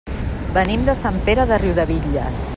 Venim de Sant Pere de Riudebitlles.